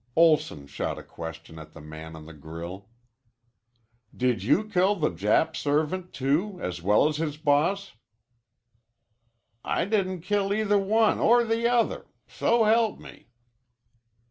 Olson shot a question at the man on the grill. "Did you kill the Jap servant, too, as well as his boss?" "I didn't kill either the one or the other, so help me."